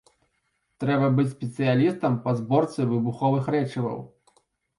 Трэба быць спецыялістам па зборцы выбуховых рэчываў.